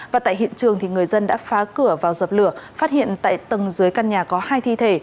và tại hiện trường người dân đã phá cửa vào dập lửa phát hiện tại tầng dưới căn nhà có hai thi thể